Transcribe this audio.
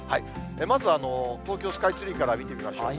まずは東京スカイツリーから見てみましょう。